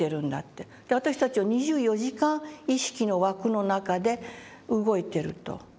私たちは２４時間意識の枠の中で動いてると。